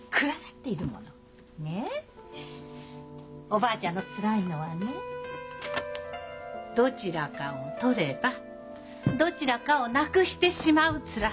おばあちゃんのつらいのはねどちらかを取ればどちらかを無くしてしまうつらさなの。